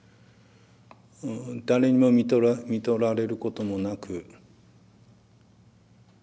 誰にもみとられることもなく。